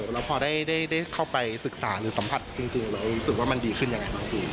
แล้วพอได้เข้าไปศึกษาหรือสัมผัสจริงเรารู้สึกว่ามันดีขึ้นยังไงบ้างพี่